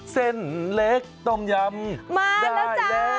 เส้นเล็กต้มยำมาแล้วจ้า